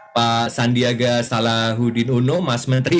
pak sandiaga salahuddin uno mas menteri